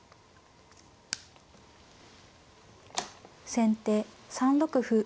先手３六歩。